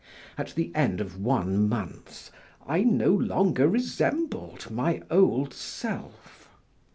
At the end of one month, I no longer resembled my old self.